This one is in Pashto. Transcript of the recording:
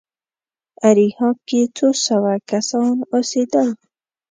اریحا کې څو سوه کسان اوسېدل.